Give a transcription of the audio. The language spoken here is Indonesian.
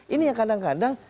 ini yang kadang kadang